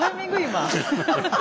今。